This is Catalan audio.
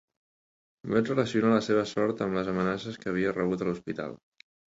Vaig relacionar la seva sort amb les amenaces que havia rebut a l’hospital.